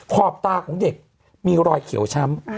ขอบตาของเด็กมีรอยเขียวช้ำ